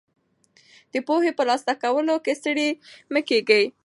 د پوهې په ترلاسه کولو کې ستړي مه ږئ.